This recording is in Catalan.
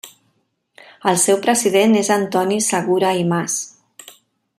El seu president és Antoni Segura i Mas.